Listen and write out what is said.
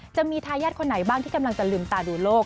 จะมีทายาทคนไหนบ้างที่กำลังจะลืมตาดูโลก